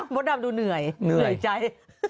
โว๊ดดำดูเหนื่อยใจ